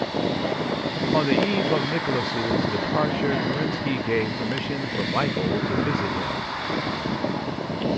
On the eve of Nicholas's departure, Kerensky gave permission for Michael to visit him.